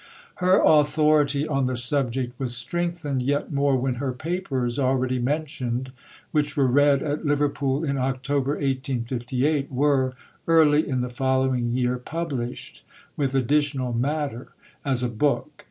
Her authority on the subject was strengthened yet more when her Papers, already mentioned, which were read at Liverpool in October 1858, were, early in the following year, published, with additional matter, as a book.